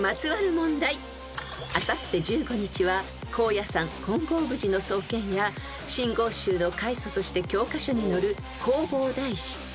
［あさって１５日は高野山金剛峯寺の創建や真言宗の開祖として教科書に載る］